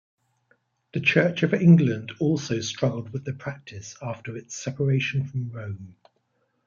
The Church of England also struggled with the practice after its separation from Rome.